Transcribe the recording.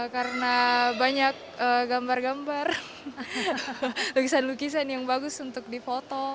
karena banyak gambar gambar lukisan lukisan yang bagus untuk difoto